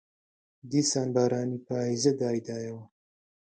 دیسان بارانی پاییزە دایدایەوە